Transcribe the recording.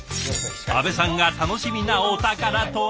阿部さんが楽しみなお宝とは？